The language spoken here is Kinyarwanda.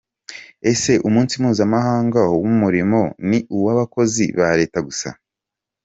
Ese umunsi mpuzamahanga w’umurimo ni uw’abakozi ba Leta gusa .